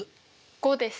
５です。